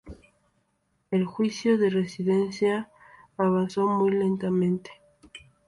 El juicio de residencia avanzó muy lentamente.